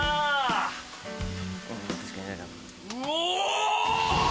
うお！